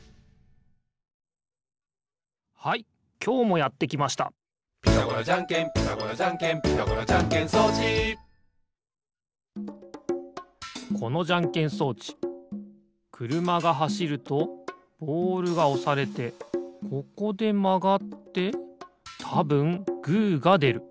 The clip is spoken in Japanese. はいきょうもやってきました「ピタゴラじゃんけんピタゴラじゃんけん」「ピタゴラじゃんけん装置」このじゃんけん装置くるまがはしるとボールがおされてここでまがってたぶんグーがでる。